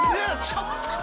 ちょっと！